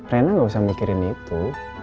rena gak usah mikirin itu